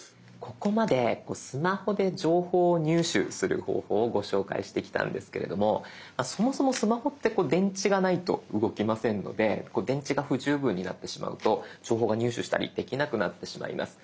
ここまでスマホで情報を入手する方法をご紹介してきたんですけれどもそもそもスマホって電池がないと動きませんので電池が不十分になってしまうと情報が入手したりできなくなってしまいます。